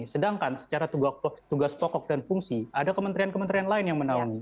sedangkan secara tugas pokok dan fungsi ada kementerian kementerian lain yang menaungi